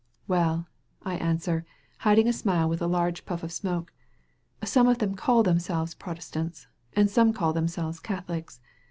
"Well," I answer, hiding a smile with a large puff of smoke, "some of them call themselves Protes tants and some call themselves Catholics.